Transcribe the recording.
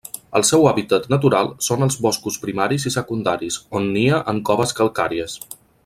El seu hàbitat natural són els boscos primaris i secundaris, on nia en coves calcàries.